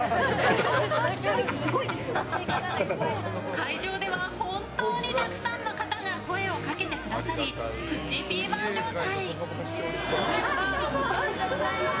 会場では本当にたくさんの方が声をかけてくださりプチフィーバー状態。